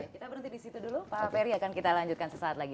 kita berhenti di situ dulu pak ferry akan kita lanjutkan sesaat lagi